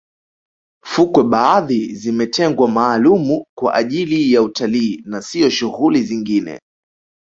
fukwe baadhi zimetengwa maalumu kwa ajili ya utalii na siyo shughuli zingine